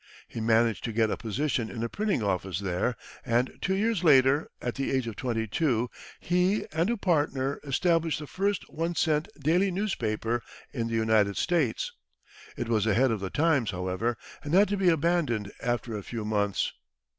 He managed to get a position in a printing office there, and two years later, at the age of twenty two, he and a partner established the first one cent daily newspaper in the United States. It was ahead of the times, however, and had to be abandoned after a few months.